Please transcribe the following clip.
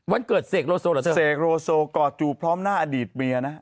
วานชื่น